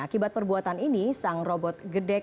akibat perbuatan ini sang robot gedek